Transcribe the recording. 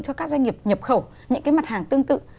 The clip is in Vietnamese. cho các doanh nghiệp nhập khẩu những cái mặt hàng tương tự